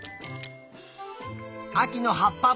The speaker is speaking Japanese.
あきのはっぱ